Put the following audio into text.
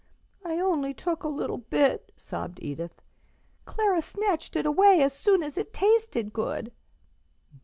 "I took only a little bit," sobbed Edith; "Clara snatched it away as soon as it tasted good."